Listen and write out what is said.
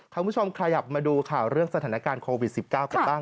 คุณผู้ชมขยับมาดูข่าวเรื่องสถานการณ์โควิด๑๙กันบ้าง